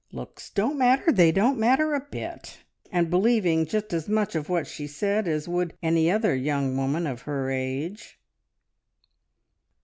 Looks don't matter! They don't matter a bit!" and believing just as much of what she said as would any other young woman of her age.